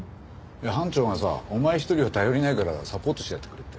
いや班長がさお前一人は頼りないからサポートしてやってくれって。